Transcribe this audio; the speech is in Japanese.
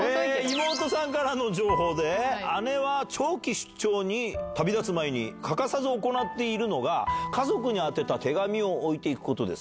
妹さんからの情報で、姉は長期出張に旅立つ前に、欠かさず行っているのが、家族に宛てた手紙を置いていくことです。